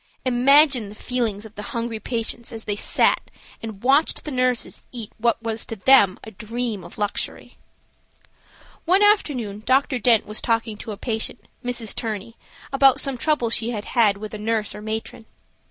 Imagine the feelings of the hungry patients as they sat and watched the nurses eat what was to them a dream of luxury. One afternoon, Dr. Dent was talking to a patient, Mrs. Turney, about some trouble she had had with a nurse or matron.